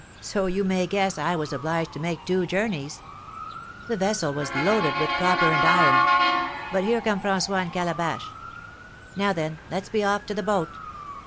So, you may guess, I was obliged to make two journeys. The vessel was loaded with copper and iron; but here comes François and Calabash. Now, then, let's be off to the boat.